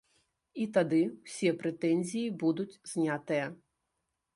І тады ўсе прэтэнзіі будуць знятыя.